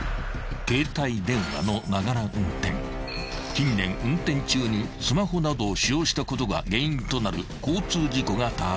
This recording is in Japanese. ［近年運転中にスマホなどを使用したことが原因となる交通事故が多発。